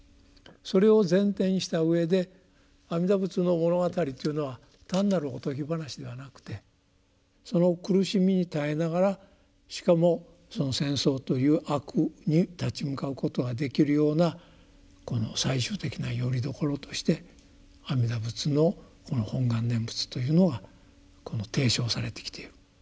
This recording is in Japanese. それを前提にしたうえで「阿弥陀仏の物語」というのは単なるおとぎ話ではなくてその苦しみに耐えながらしかもその戦争という悪に立ち向かうことができるようなこの最終的なよりどころとして阿弥陀仏のこの「本願念仏」というのが提唱されてきている。